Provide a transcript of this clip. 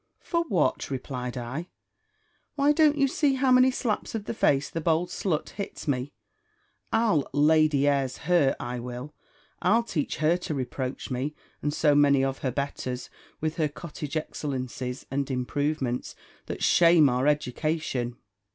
"For what!" replied I. "Why, don't you see how many slaps of the face the bold slut hits me! I'll LADY AIRS her! I will. I'll teach her to reproach me, and so many of her betters, with her cottage excellencies, and improvements, that shame our education."